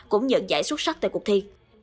cũng nhận giải xuất sắc tại cuộc thi